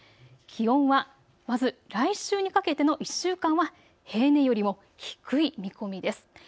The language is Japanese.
気温はまず来週にかけての１週間は平年よりも低い見込みです。